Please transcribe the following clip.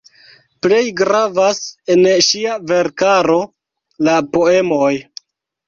Plej gravas en ŝia verkaro la poemoj.